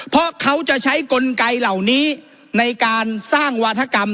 เพราะเขาจะใช้กลไกเหล่านี้ในการสร้างวาธกรรม